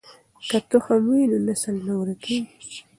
که تخم وي نو نسل نه ورکېږي.